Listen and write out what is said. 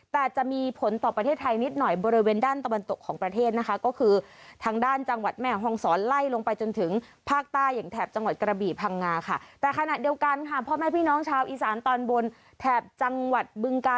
แต่จะมีผลต่อประเทศไทยนิดหน่อยบริเวณด้านตะบันตกของประเทศก็คือทางด้านจังหวัดแม่ฮองศรไล่ลงไปจนถึงภาคใต้อย่างแถบจังหวัดกระบี่พังงา